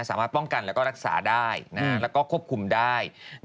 สามารถป้องกันแล้วก็รักษาได้แล้วก็ควบคุมได้